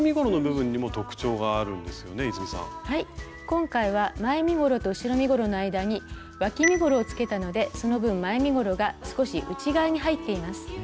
今回は前身ごろと後ろ身ごろの間にわき身ごろをつけたのでその分前身ごろが少し内側に入っています。